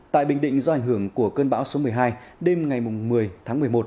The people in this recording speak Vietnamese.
tại bình định do ảnh hưởng của cơn bão số một mươi hai đêm ngày một mươi tháng một mươi một